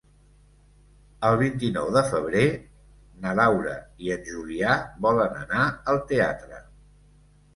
El vint-i-nou de febrer na Laura i en Julià volen anar al teatre.